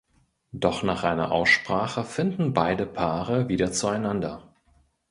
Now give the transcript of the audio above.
Doch nach einer Aussprache finden beide Paare wieder zueinander.